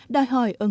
đòi hỏi ứng